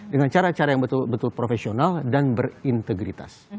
dengan cara cara yang betul betul profesional dan berintegritas